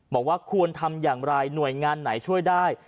บอกว่าควรทำอย่างไรหน่วยงานไหนช่วยได้